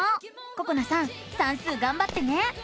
ここなさん算数がんばってね！